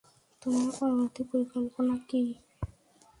তোমার পরবর্তী পরিকল্পনা কি?